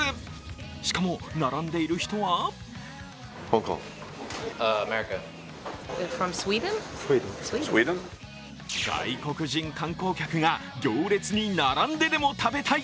しかも、並んでいる人は外国人観光客が行列に並んででも食べたい。